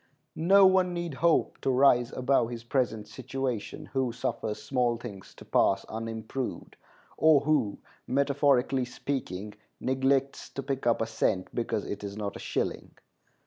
No one need hope to rise above his present situation who suffers small things to pass unimproved, or who, metaphorically speaking, neglects to pick up a cent because it is not a shilling.